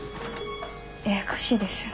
ややこしいですよね。